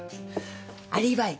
アリバイ！